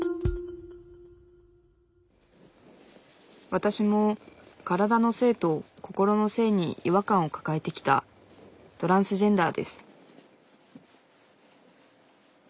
わたしも体の性と心の性に違和感を抱えてきたトランスジェンダーです